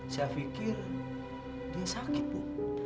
saya pikir dia sakit bu